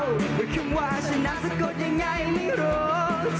ฮึคุมว่าชนะหาสกดยังไงไม่รู้